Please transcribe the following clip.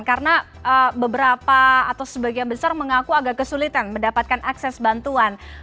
karena beberapa atau sebagian besar mengaku agak kesulitan mendapatkan akses bantuan